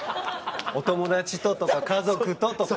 お友達ととか家族ととか。